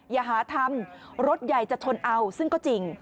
อย่าหาทำรถใหญ่จะชนเอาซึ่งก็จริง